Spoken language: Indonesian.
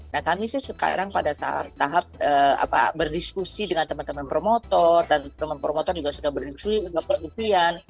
nah kami sih sekarang pada saat tahap berdiskusi dengan teman teman promotor dan teman promotor juga sudah berdiskusian